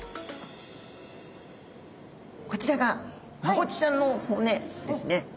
こちらがマゴチちゃんの骨ですね。